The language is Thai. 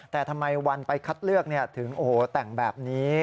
แต่ทำไมวันไปคัดเลือกถึงโอ้โหแต่งแบบนี้